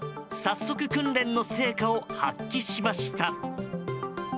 早速、訓練の成果を発揮しました。